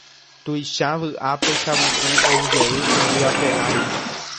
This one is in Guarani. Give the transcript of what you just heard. Tuicha vy'ápe Chavuku oujey yvy ape ári